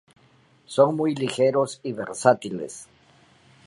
Son muy ligeros y versátiles.